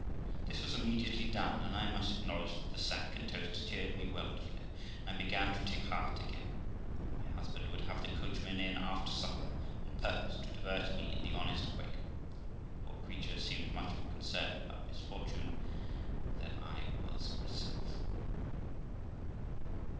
This was immediately done; and I must acknow ledge, that the sack and toast cheered me wonderfully, and I began to take heart again; and my husband would have the coachman in after supper, on purpose to divert me and the honest Quaker, who, poor creature, seemed much more concerned at my misfortune than I was myself.